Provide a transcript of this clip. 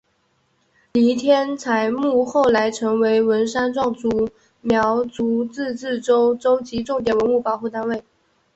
黎天才墓后来成为文山壮族苗族自治州州级重点文物保护单位。